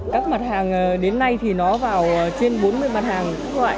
các mặt hàng đến nay thì nó vào trên bốn mươi mặt hàng